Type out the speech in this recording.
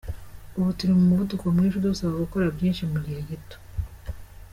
Ubu turi mu muvuduko mwinshi udusaba gukora byinshi mu gihe gito.